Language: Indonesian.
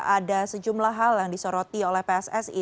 ada sejumlah hal yang disoroti oleh pssi